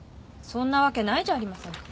そんなわけないじゃありませんか。